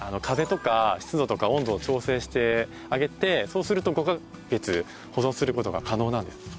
風とか湿度とか温度を調整してあげてそうすると５カ月保存する事が可能なんです。